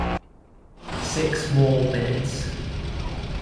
Six more minutes.